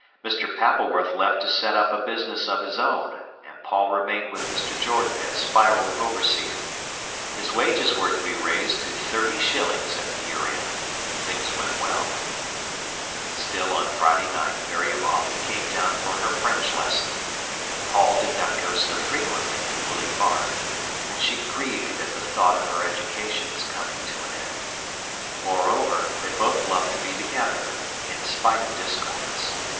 Mr. Pappleworth left to set up a business of his own, and Paul remained with Mr. Jordan as Spiral overseer. His wages were to be raised to thirty shillings at the year end, if things went well. Still on Friday night Miriam often came down for her French lesson. Paul did not go so frequently to Willey Farm, and she grieved at the thought of her education's coming to end; moreover, they both loved to be together, in spite of discords.